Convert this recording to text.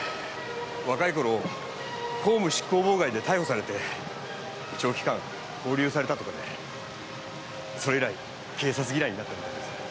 若い頃公務執行妨害で逮捕されて長期間勾留されたとかでそれ以来警察嫌いになったみたいです。